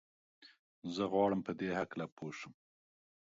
زه غواړم په دي هکله پوه سم.